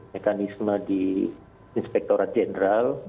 mekanisme di inspektorat general